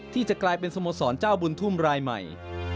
ที่จะกลายเป็นสโมสรเจ้าบุญทุ่มรายใหม่